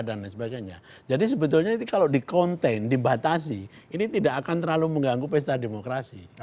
dan sebagainya jadi sebetulnya ini kalau di contain dibatasi ini tidak akan terlalu mengganggu pesta demokrasi